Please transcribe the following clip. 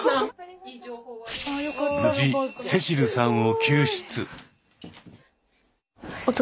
無事聖秋流さんを救出。